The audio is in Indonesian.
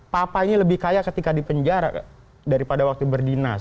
papa ini lebih kaya ketika di penjara daripada waktu berdinas